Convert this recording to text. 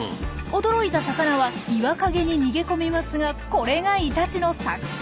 驚いた魚は岩陰に逃げ込みますがこれがイタチの作戦。